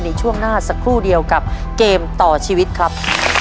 ในช่วงหน้าสักครู่เดียวกับเกมต่อชีวิตครับ